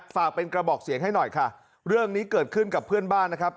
ฝากเป็นกระบอกเสียงให้หน่อยค่ะเรื่องนี้เกิดขึ้นกับเพื่อนบ้านนะครับ